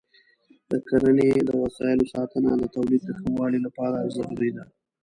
د کرنې د وسایلو ساتنه د تولید د ښه والي لپاره ضروري ده.